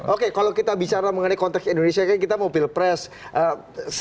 oke kalau kita bicara mengenai konteks indonesia kan kita mau pilpres